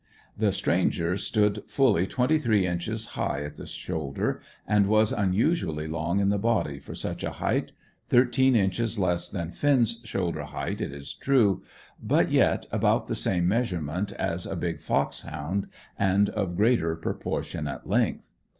The stranger stood fully twenty three inches high at the shoulder, and was unusually long in the body for such a height thirteen inches less than Finn's shoulder height it is true, but yet about the same measurement as a big foxhound and of greater proportionate length.